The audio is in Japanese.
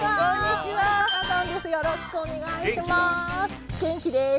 よろしくお願いします！